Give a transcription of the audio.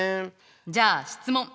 じゃあ質問！